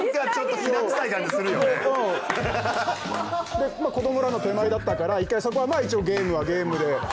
で子どもらの手前だったから１回そこは一応ゲームはゲームで。